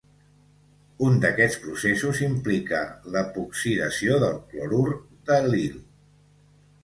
Un d'aquests processos implica l'epoxidació del clorur d'al·lil.